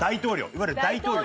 いわゆる大統領。